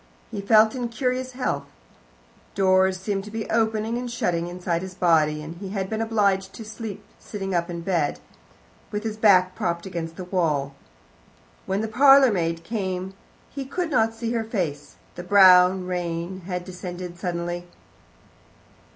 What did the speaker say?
He felt in curious health: doors seemed to be opening and shutting inside his body, and he had been obliged to steep sitting up in bed, with his back propped against the wall. When the parlourmaid came he could not see her face; the brown rain had descended suddenly.